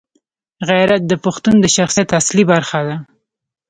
غیرت د پښتون د شخصیت اصلي برخه ده.